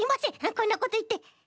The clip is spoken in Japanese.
こんなこといって。